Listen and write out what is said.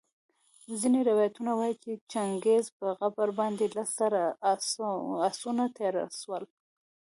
ځیني روایتونه وايي چي د چنګیز په قبر باندي لس زره آسونه تېرسول